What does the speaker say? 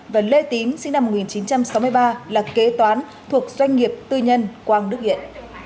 và lê tín sinh năm một nghìn chín trăm sáu mươi ba là kế toán thuộc doanh nghiệp tư nhân quang đức hiện